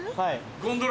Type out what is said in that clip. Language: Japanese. ゴンドラ？